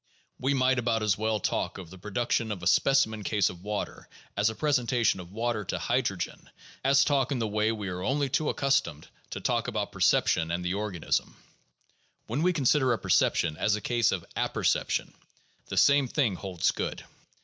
We might about as well talk of the production of a specimen case of water as a presentation of water to hydrogen as talk in the way we are only too accustomed to talk about perceptions and the organism. When we consider a perception as a case of "apperception," the same thing holds good.